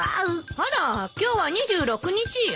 あら今日は２６日よ。